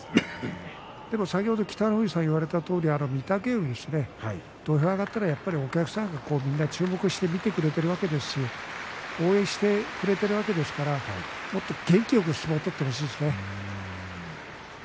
でも先ほど北の富士さんが言われたとおり御嶽海、土俵に上がったらお客さんがみんな注目して見てくれているわけですから応援してくれているわけですからもっと元気よく相撲を取ってほしいですね。